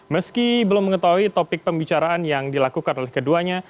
meski belum mengetahui topik pembicaraan yang dilakukan oleh keduanya